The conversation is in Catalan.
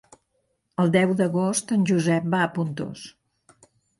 El deu d'agost en Josep va a Pontós.